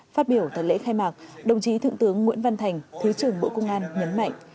phát biểu tại lễ khai mạc đồng chí thượng tướng nguyễn văn thành thứ trưởng bộ công an nhấn mạnh